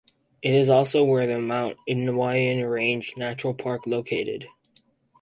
It is also where the Mount Inayawan Range Natural Park located.